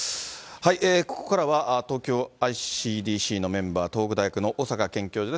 ここからは東京ｉＣＤＣのメンバー、東北大学の小坂健教授です。